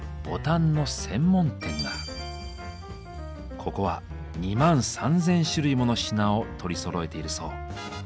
ここは２万３千種類もの品を取りそろえているそう。